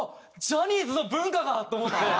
ジャニーズの文化だ！って思って。